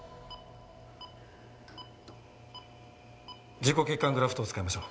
自己血管グラフトを使いましょう。